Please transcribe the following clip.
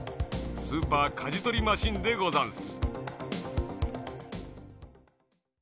スーパーかじとりマシンでござんす。